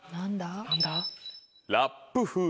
何だ？